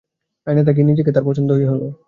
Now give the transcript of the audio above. আয়নায় তাকিয়ে নিজেকে তার পছন্দই হলো।